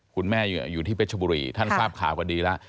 คุณแม่อยู่ที่เพชรบุรีท่านทราบข่าวกันดีแล้ว